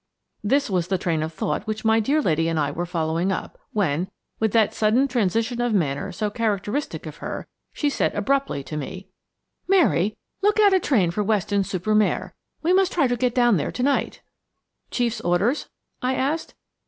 This was the train of thought which my dear lady and I were following up, when, with that sudden transition of manner so characteristic of her, she said abruptly to me: "Mary, look out a train for Weston super Mare. We must try to get down there to night." "Chief's orders?" I asked.